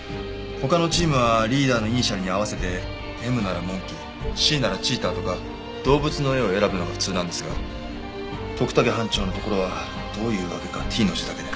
他のチームはリーダーのイニシャルに合わせてＭならモンキーＣならチーターとか動物の絵を選ぶのが普通なんですが徳武班長のところはどういうわけかＴの字だけで。